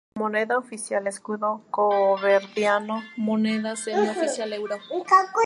Moneda oficial Escudo caboverdiano, moneda semi-oficial euro.